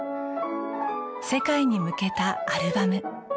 世界に向けたアルバム。